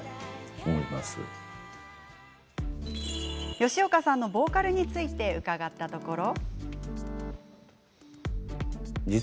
吉岡さんのボーカルについて伺ったところ。